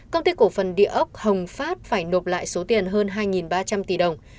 công ty cổ phần địa ốc hồng phát phải nộp lại số tiền hơn hai ba trăm linh tỷ đồng